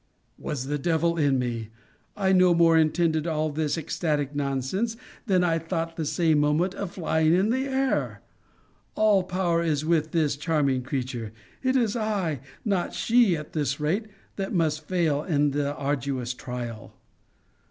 Was the devil in me! I no more intended all this ecstatic nonsense, than I thought the same moment of flying in the air! All power is with this charming creature. It is I, not she, at this rate, that must fail in the arduous trial.